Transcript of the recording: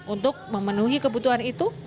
untuk memenuhi kebutuhan itu